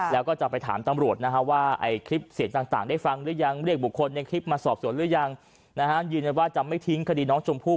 แล้วก็จะไปถามตำรวจนะฮะว่าคลิปเสียงต่างได้ฟังหรือยังเรียกบุคคลในคลิปมาสอบสวนหรือยังยืนยันว่าจะไม่ทิ้งคดีน้องชมพู่